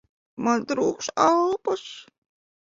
Man trūkst elpas!